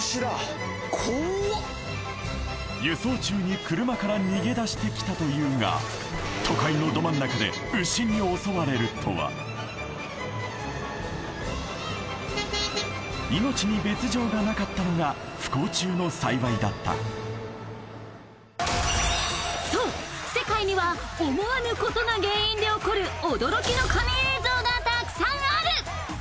輸送中に車から逃げ出してきたというが都会のど真ん中で牛に襲われるとは命に別条がなかったのが不幸中の幸いだったそう世界には思わぬことが原因で起こる驚きの神映像がたくさんある！